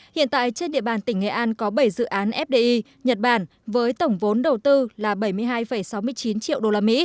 hiện tại trên địa bàn tỉnh nghệ an có bảy dự án fdi nhật bản với tổng vốn đầu tư là bảy mươi hai sáu mươi chín triệu usd